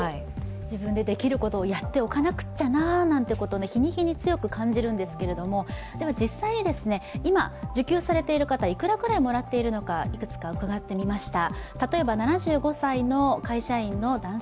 自分でできることをやっておかなくちゃななんて、日に日に強く感じるんですけれども、では実際に今、受給されている方、いくらぐらいもらっているのか幾つか伺ってみました。